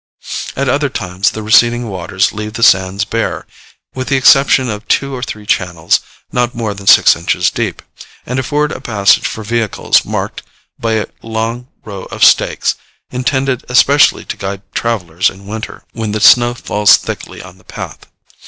At other times, the receding waters leave the sands bare, with the exception of two or three channels, not more than six inches deep, and afford a passage for vehicles, marked by a long row of stakes, intended especially to guide travellers in winter, when the snow falls thickly on the path.